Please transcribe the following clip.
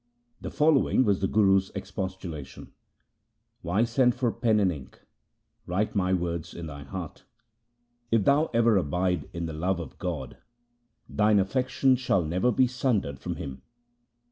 The following was the Guru's expostulation :— Why send for pen and ink ? Write my words in thy heart. If thou ever abide in the love of God, thine affection shall never be sundered from Him.